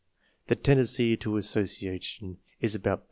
2 The tendency to association is about